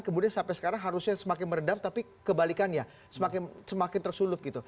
kemudian sampai sekarang harusnya semakin meredam tapi kebalikannya semakin tersulut gitu